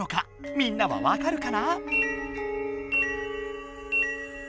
みんなはわかるかな？